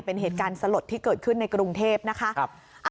เป็นเหตุการณ์สลดที่เกิดขึ้นในกรุงเทพนะคะ